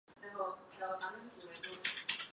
沙斯皮纳克。